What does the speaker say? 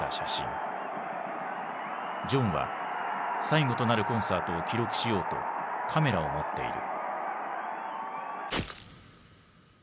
ジョンは最後となるコンサートを記録しようとカメラを持っている。